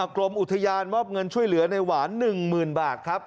กรมอุทยานมอบเงินช่วยเหลือในหวาน๑๐๐๐บาทครับ